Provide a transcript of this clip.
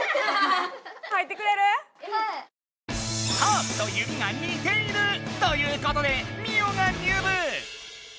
ハープと弓が似ている！ということでミオが入部！